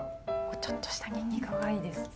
ちょっとしたにんにくがいいですよね。